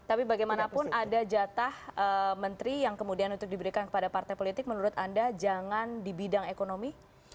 tapi bagaimanapun ada jatah menteri yang kemudian untuk diberikan kepada partai politik menurut anda jangan di bidang ekonomi